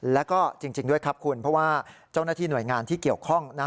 แล้วก็จริงด้วยครับคุณเพราะว่าเจ้าหน้าที่หน่วยงานที่เกี่ยวข้อง